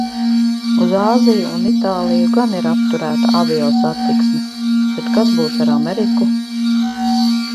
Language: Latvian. Uz Āziju un Itāliju gan ir apturēta aviosatiksme. Bet kas būs ar Ameriku?